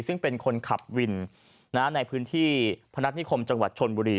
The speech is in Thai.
ซึ่งเป็นคนขับวินในพื้นที่พนัฐนิคมจังหวัดชนบุรี